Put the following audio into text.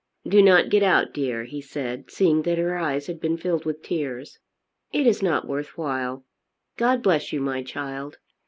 "Do not get out, dear," he said, seeing that her eyes had been filled with tears. "It is not worth while. God bless you, my child!